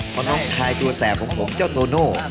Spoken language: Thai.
เพราะน้องชายตัวแสบของผมเจ้าโตโน่